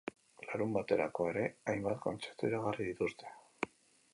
Larunbaterako ere hainbat kontzertu iragarri dituzte.